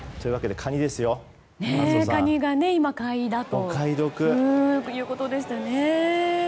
カニが今買いだということでしたね。